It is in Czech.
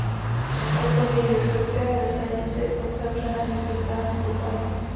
Od pondělí do čtvrtka je ve stanici otevřena vnitrostátní pokladna.